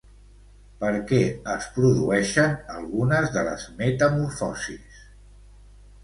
Per què es produeixen algunes de les metamorfosis?